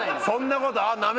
そんなことあっ